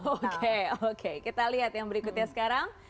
oke oke kita lihat yang berikutnya sekarang